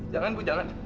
jangan bu jangan